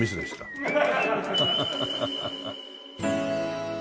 ハハハハハ。